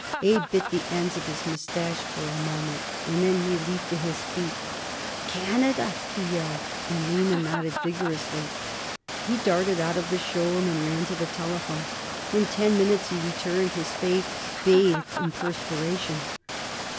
Abe bit the ends of his mustache for a moment, and then he leaped to his feet. "Canada!" he yelled, and Lina nodded vigorously. He darted out of the show room and ran to the telephone. In ten minutes he returned, his face bathed in perspiration.